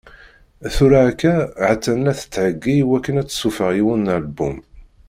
Tura akka, ha-tt-an la tettheggi i wakken ad tessufeɣ yiwen n album.